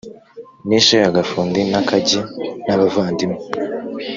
Nishe agafundi nakanjye nabavandimwe